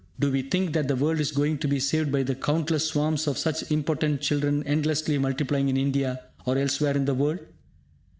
Do we think that the world is going to be saved by the countless swarms of such impotent children endlessly multiplying in India or elsewhere in the world?